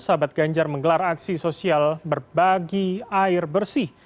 sahabat ganjar menggelar aksi sosial berbagi air bersih